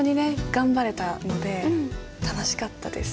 頑張れたので楽しかったです